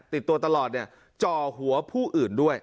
ติดตัวตลอดเนี่ยจ่อหัวผู้อื่นด้วย